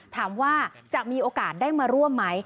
ถามว่าจะมีโอกาสได้มาร่วมไหม